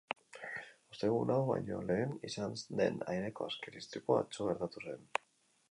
Ostegun hau baino lehen izan den aireko azken istripua atzo gertatu zen.